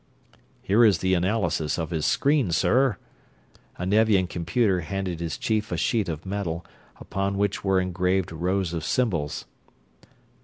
"Here is the analysis of his screen, sir." A Nevian computer handed his chief a sheet of metal, upon which were engraved rows of symbols.